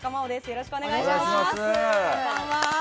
よろしくお願いします。